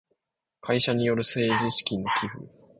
会社による政治資金の寄付